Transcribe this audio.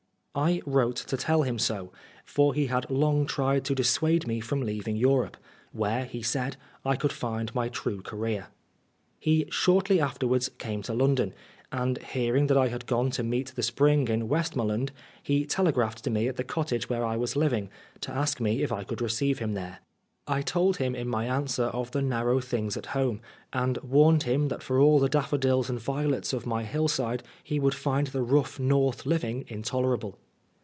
I wrote to him to tell him so, for he had long tried to dissuade me from leaving Europe, where, he said, I could find my true career. He shortly afterwards came to London, and hearing that I had gone to meet the spring in Westmoreland, he telegraphed to me at the cottage where I was living to ask me if J could receive him there. I told him 81 6 Oscar Wilde in my answer of the narrow things at home, and warned him that for all the daffodils and violets of my hillside he would find the rough North living intolerable.